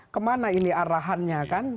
kemana ini arahannya kan